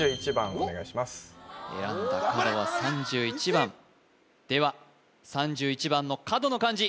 選んだ角は３１番では３１番の角の漢字